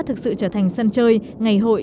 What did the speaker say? thực sự trở thành sân chơi ngày hội